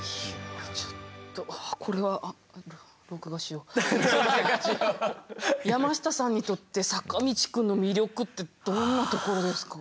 ちょっとあこれは山下さんにとって坂道くんの魅力ってどんなところですか？